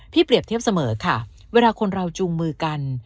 เปรียบเทียบเสมอค่ะเวลาคนเราจูงมือกัน